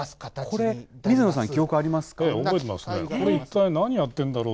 これ、水野さん、記憶ありますか？